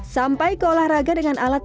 sampai ke olahraga dengan alat